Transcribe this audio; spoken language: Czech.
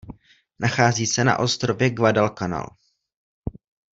Nachází se na ostrově Guadalcanal.